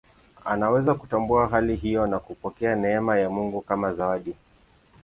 Anaweza kutambua hali hiyo na kupokea neema ya Mungu kama zawadi.